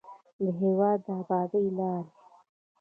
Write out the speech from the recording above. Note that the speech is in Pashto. د هېواد د ابادۍ لارې